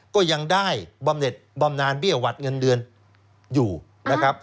ก็ยังได้บำเน็ตบำนานเบี้ยหวัดเงินเดือนอยู่นะครับ